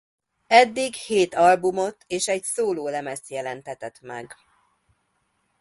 Eddig hét albumot és egy szólólemezt jelentetett meg.